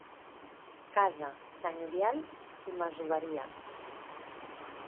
Casa senyorial i masoveria.